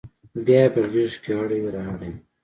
بیا یې په غیږ کې اړوي را اوړي